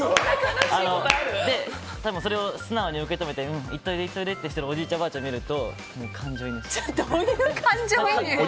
で、多分それを素直に受け止めて行っておいでってしてるおじいちゃん、おばあちゃん見ると感情移入しちゃいます。